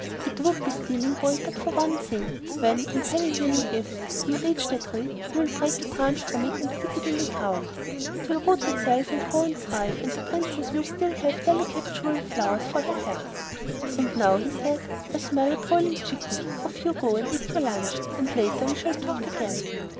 It would be stealing, boy, but for one thing. When and heaven willing, if you reach the Tree, you will break a branch from it and stick it in the ground. It will root itself and grow and thrive, and the Princess will still have delicate jewel flowers for her hair." "And now," he said, "I smell a broiling chicken. Off you go and eat your lunch, and later we shall talk again."